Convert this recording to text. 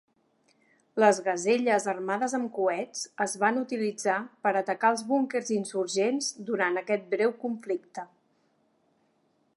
Les Gazelles armades amb coets es van utilitzar per atacar els búnquers insurgents durant aquest breu conflicte.